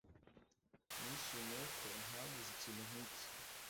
Nishimiye ko ntaguze ikintu nkiki